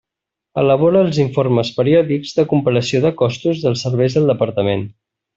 Elabora els informes periòdics de comparació de costos dels serveis del Departament.